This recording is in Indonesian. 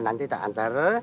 nanti tak antar